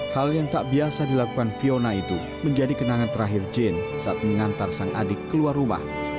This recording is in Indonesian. hal yang tak biasa dilakukan fiona itu menjadi kenangan terakhir jane saat mengantar sang adik keluar rumah